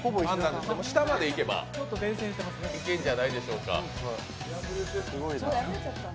下までいけば、いけるんじゃないでしょうか。